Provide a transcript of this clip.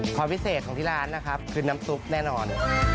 ความพิเศษของที่ร้านนะครับคือน้ำซุปแน่นอน